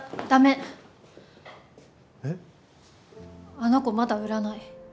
あの子まだ売らない。